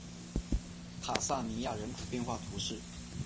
卡萨尼亚人口变化图示